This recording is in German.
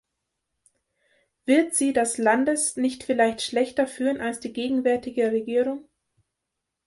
Wird sie das Landes nicht vielleicht schlechter führen als die gegenwärtige Regierung?